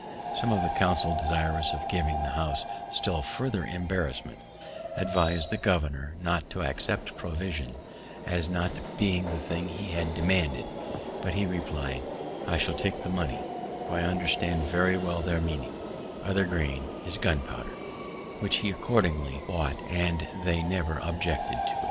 Some of the council, desirous of giving the House still further embarrassment, advis'd the governor not to accept provision, as not being the thing he had demanded; but he repli'd, "I shall take the money, for I understand very well their meaning; other grain is gunpowder," which he accordingly bought, and they never objected to it.